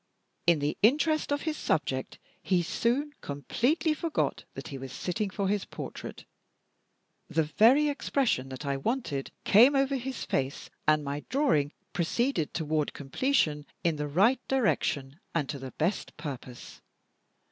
In the interest of his subject he soon completely forgot that he was sitting for his portrait the very expression that I wanted came over his face and my drawing proceeded toward completion, in the right direction, and to the best purpose.